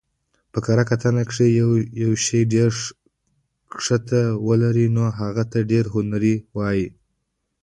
په کره کتنه کښي، چي یوشي ډېره ښکله ولري نو هغه ته ډېر هنري وايي.